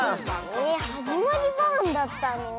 えっ「はじまりバーン」だったの？